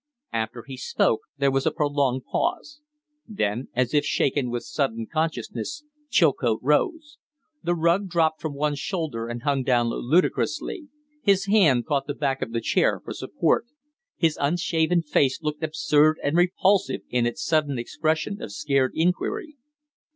After he spoke there was a prolonged pause; then, as if shaken with sudden consciousness, Chilcote rose. The rug dropped from one shoulder and hung down ludicrously; his hand caught the back of the chair for support; his unshaven face looked absurd and repulsive in its sudden expression of scared inquiry.